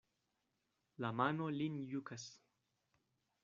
La mano lin jukas.